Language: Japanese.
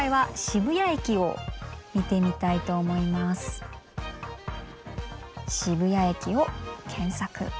渋谷駅を検索。